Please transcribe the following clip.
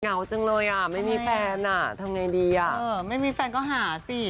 เหงาจังเลยอ่ะไม่มีแฟนอ่ะทำไงดีอ่ะไม่มีแฟนก็หาสิ